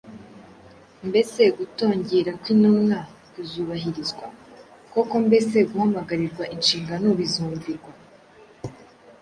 Mbese gutongera kw’intumwa kuzubahirizwa, kokombese guhamagarirwa inshingano bizumvirwa